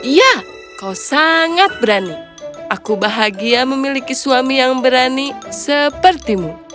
ya kau sangat berani aku bahagia memiliki suami yang berani sepertimu